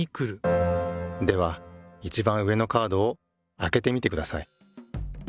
ではいちばん上のカードをあけてみてください。